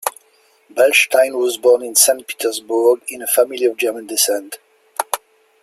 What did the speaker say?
Beilstein was born in Saint Petersburg in a family of German descent.